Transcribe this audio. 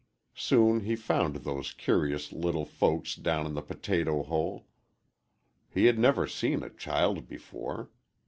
Soon he found those curious little folks down in the potato hole. He had never seen a child before.